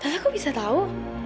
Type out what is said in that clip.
tante aku bisa tahu